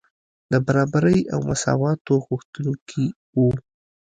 د برابرۍ او مساواتو غوښتونکي وو.